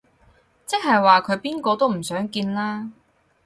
即係話佢邊個都唔想見啦